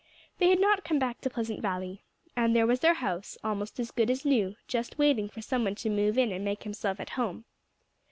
They had not come back to Pleasant Valley. And there was their house, almost as good as new, just waiting for some one to move in and make himself at home.